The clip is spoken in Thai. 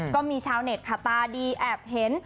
ก็มีชาวเน็ตค่ะตาดีแอบเห็น